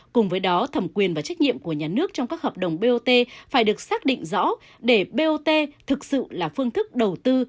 cùng với đó thẩm quyền và trách nhiệm của nhà nước trong các hợp đồng bot phải được xác định rõ để bot thực sự là phương thức đầu tư